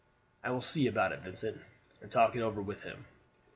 "I will see about it, Vincent, and talk it over with him."